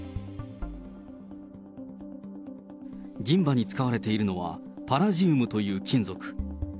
銀歯に使われているのは、パラジウムという金属。